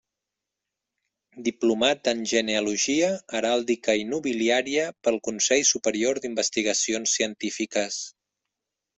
Diplomat en Genealogia, Heràldica i Nobiliària pel Consell Superior d'Investigacions Científiques.